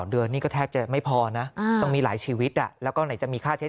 เดือนนี่ก็แทบจะไม่พอนะต้องมีหลายชีวิตแล้วก็ไหนจะมีค่าใช้